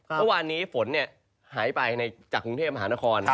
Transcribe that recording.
เมื่อวานนี้ฝนหายไปจากกรุงเทพมหานคร